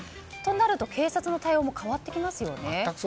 となると警察の対応も変わってきますよね。